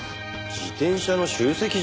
自転車の集積所？